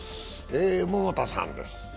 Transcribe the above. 桃田さんです。